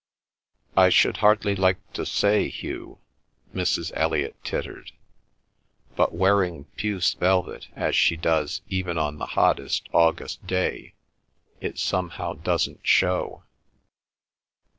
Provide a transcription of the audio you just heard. "I should hardly like to say, Hugh," Mrs. Elliot tittered, "but wearing puce velvet, as she does even on the hottest August day, it somehow doesn't show."